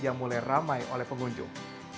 dan juga sudah ramai ramai oleh pengunjung